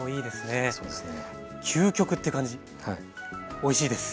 おいしいです。